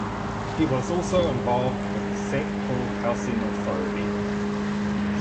He was also involved with the Saint Paul Housing Authority.